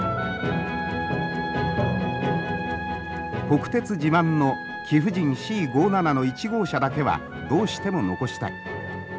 国鉄自慢の貴婦人Ｃ５７の１号車だけはどうしても残したい。